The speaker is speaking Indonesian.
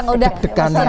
iya sekarang udah